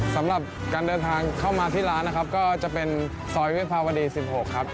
สำหรับการเดินทางเข้ามาที่ร้านนะครับก็จะเป็นซอยวิภาวดี๑๖ครับ